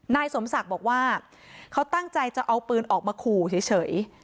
นายสมศักดิ์บอกว่าเขาตั้งใจจะเอาปืนออกมาขู่เฉย